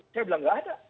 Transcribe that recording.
saya bilang enggak ada